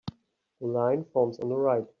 The line forms on the right.